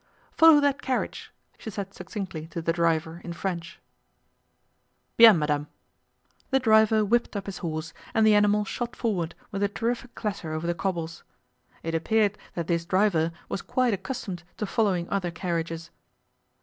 'Follow that carriage,' she said succinctly to the driver in French. 'Bien, madame!' The driver whipped up his horse, and the animal shot forward with a terrific clatter over the cobbles. It appeared that this driver was quite accustomed to following other carriages.